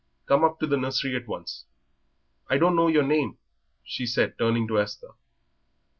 Come up to the nursery at once. I don't know your name," she said, turning to Esther.